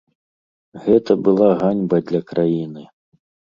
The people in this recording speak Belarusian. Гэта была ганьба для краіны.